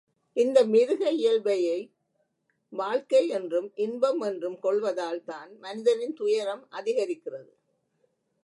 இந்த மிருக இயல்பையே வாழ்க்கை என்றும், இன்பம் என்றும் கொள்வதால் தான் மனிதனின் துயரம் அதிகரிக்கிறது.